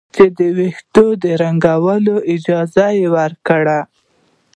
چې د ویښتو د رنګولو اجازه ورکړي.